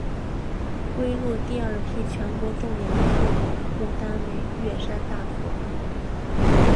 归入第二批全国重点文物保护单位乐山大佛。